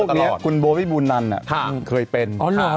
โรคนี้คุณโบ๊ทพี่บุญนันอ่ะเคยเป็น